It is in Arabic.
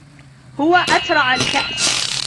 هو أترعَ الكأس.